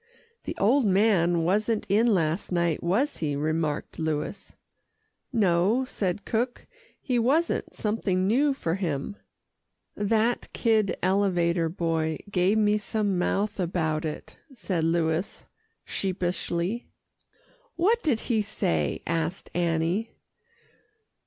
"The old man wasn't in last night, was he?" remarked Louis. "No," said cook, "he wasn't something new for him." "That kid elevator boy gave me some mouth about it," said Louis sheepishly. "What did he say?" asked Annie.